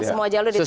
semua jalur ditempuh